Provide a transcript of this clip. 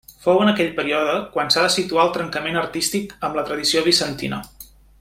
Fou en aquell període quan s'ha de situar el trencament artístic amb la tradició bizantina.